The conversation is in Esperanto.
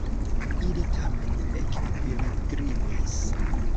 Ili tamen ekpilgrimis.